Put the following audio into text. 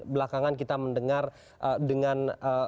belakangan kita mendengar dengan